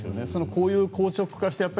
こういう硬直化した。